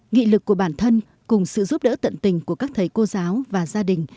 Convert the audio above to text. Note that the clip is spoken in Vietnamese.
nghị lực của bản thân cùng sự giúp đỡ tận tình của các thầy cô giáo và gia đình